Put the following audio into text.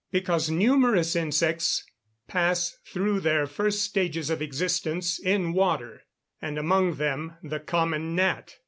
_ Because numerous insects pass through their first stages of existence in water, and among them the common gnat.